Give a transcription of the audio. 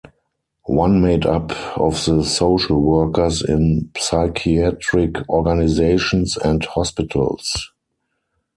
One made up of the social workers in psychiatric organizations and hospitals.